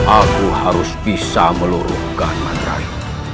aku harus bisa meluruhkan materi